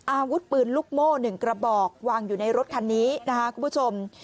อาวุธปืนลูกโม่๑กระบอกวางอยู่ในรถคันนี้นะครับคุณผู้ชม